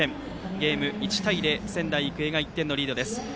ゲーム、１対０、仙台育英が１点のリードです。